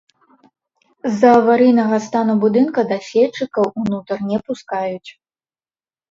З-за аварыйнага стану будынка даследчыкаў ўнутр не пускаюць.